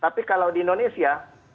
tapi kalau di indonesia